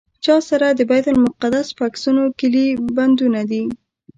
چا سره د بیت المقدس په عکسونو کیلي بندونه دي.